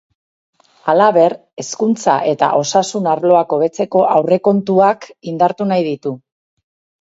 Halaber, hezkuntza eta osasun arloak hobetzeko aurrekontuak indartu nahi ditu.